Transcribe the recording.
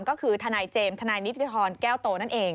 ก็คือทนายเจมส์ทนายนิติธรแก้วโตนั่นเอง